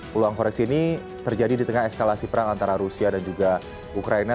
peluang koreksi ini terjadi di tengah eskalasi perang antara rusia dan juga ukraina